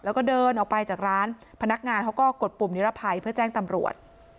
แล้วก็เดินออกไปจากร้านพนักงานเขาก็กดปุ่มนิรภัยเพื่อแจ้งตำรวจ